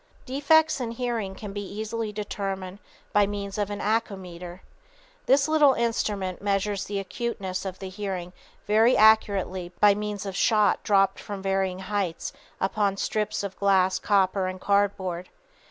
Defects in hearing can be easily determined by means of an "acoumeter." This little instrument measures the acuteness of the hearing very accurately by means of shot dropped from varying heights upon strips of glass, copper and cardboard.